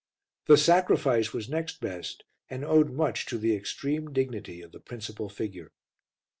The Sacrifice was next best, and owed much to the extreme dignity of the principal figure.